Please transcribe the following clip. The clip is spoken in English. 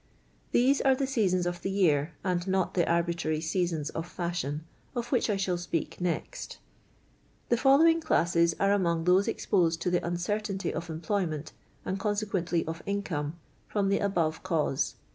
These are the seasons of the year, and not the arbitrary seasons of fashion, of which I shall spe.ik next. The following classes are among those expti«ed to the nnceruiinty of employment, and conse quently of income, from the above cause.